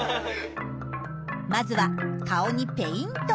まずは顔にペイント。